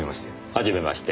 はじめまして。